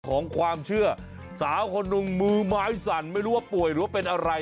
ของความเชื่อสาวคนหนึ่งมือไม้สั่นไม่รู้ว่าป่วยหรือว่าเป็นอะไร